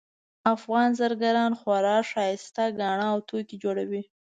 افغان زرګران خورا ښایسته ګاڼه او توکي جوړوي